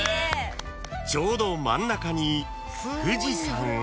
［ちょうど真ん中に富士山が］